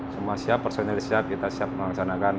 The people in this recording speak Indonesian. semua siap personil siap kita siap melaksanakan